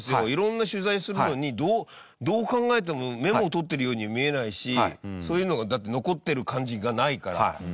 いろんな取材するのにどう考えてもメモを取ってるようには見えないしそういうのがだって残ってる感じがないから。